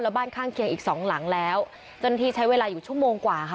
บ้านข้างเคียงอีกสองหลังแล้วเจ้าหน้าที่ใช้เวลาอยู่ชั่วโมงกว่าค่ะ